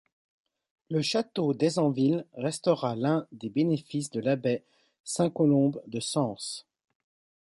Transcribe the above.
Le château d'Enzanville restera l'un des bénéfices de l'Abbaye Sainte-Colombe de Sens.